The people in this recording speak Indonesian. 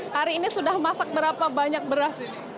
hari ini sudah masak berapa banyak beras